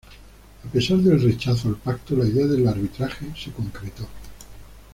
A pesar del rechazo al pacto, la idea del arbitraje se concretó.